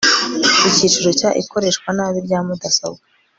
Icyiciro cya Ikoreshwa nabi rya mudasobwa